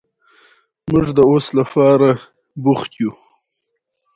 خپل کتابونه مطالعه کړئ او پوښتنې له ځان سره ولیکئ